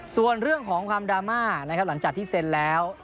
ส่วนเรื่องของความดราม่านะครับหลังจากที่เซ็นแล้ว